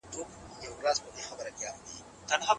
د سیاستپوهانو ترمنځ کله ناکله پر ځینو مسایلو ژور اختلافونه وي.